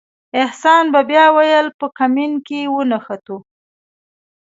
احسان به بیا ویل په کمین کې ونښتو.